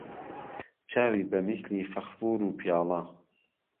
چاوی به میسلی فهغفور و پیاڵه